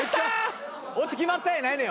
オチ決まったやないねん。